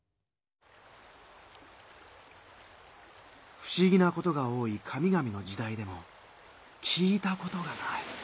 「ふしぎなことが多い神々の時代でも聞いたことがない。